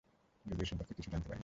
যদিও এ সম্পর্কে কেউ জানতে পারেনি।